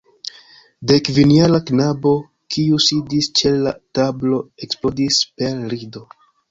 Dekkvinjara knabo, kiu sidis ĉe la tablo, eksplodis per rido.